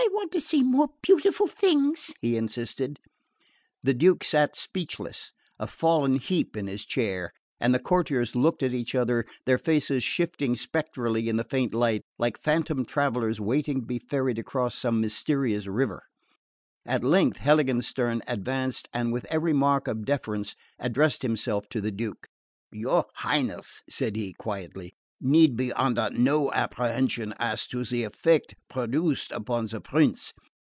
"I want to see some more beautiful things!" he insisted. The Duke sat speechless, a fallen heap in his chair, and the courtiers looked at each other, their faces shifting spectrally in the faint light, like phantom travellers waiting to be ferried across some mysterious river. At length Heiligenstern advanced and with every mark of deference addressed himself to the Duke. "Your Highness," said he quietly, "need be under no apprehension as to the effect produced upon the prince.